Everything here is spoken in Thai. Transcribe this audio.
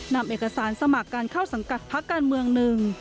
นำเอกสารสมัครการเข้าสังกัดพักการเมืองหนึ่ง